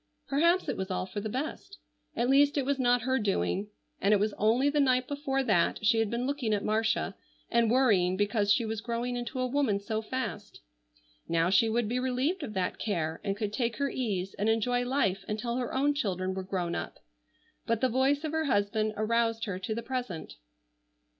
Perhaps it was all for the best. At least it was not her doing. And it was only the night before that she had been looking at Marcia and worrying because she was growing into a woman so fast. Now she would be relieved of that care, and could take her ease and enjoy life until her own children were grown up. But the voice of her husband aroused her to the present.